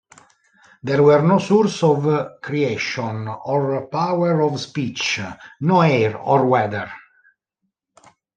There were no sources of creation or powers of speech, no air or water.